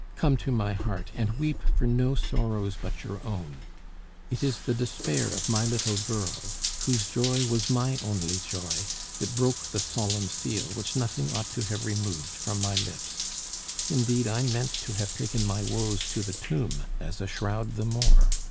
Come to my heart, and weep for no sorrows but your own. It is the despair of my dear little girl, whose joy was my only joy, that broke the solemn seal which nothing ought to have removed from my lips. Indeed, I meant to have taken my woes to the tomb, as a shroud the more.